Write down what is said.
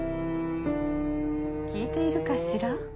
聞いているかしら？